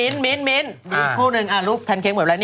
ดีคู่นึงลูกแพนเคคหมดแล้ว